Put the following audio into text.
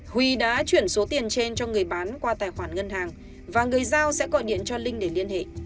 huy đã chuyển số tiền trên cho người bán qua tài khoản ngân hàng và người giao sẽ gọi điện cho linh để liên hệ